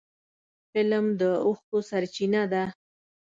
فلم د اوښکو سرچینه ده